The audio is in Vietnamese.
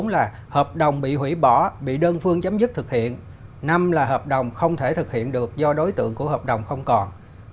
bốn là hợp đồng bị hủy bỏ bị đơn phương chấm dứt thực hiện năm là hợp đồng không thể thực hiện được do đối tượng của hợp đồng không còn